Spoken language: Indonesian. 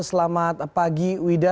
selamat pagi wida